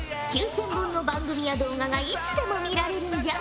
９，０００本の番組や動画がいつでも見られるんじゃ。